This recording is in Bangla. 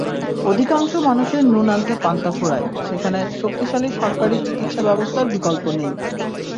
অধিকাংশ মানুষের নুন আনতে পান্তা ফুরায়, সেখানে শক্তিশালী সরকারি চিকিৎসাব্যবস্থার বিকল্প নেই।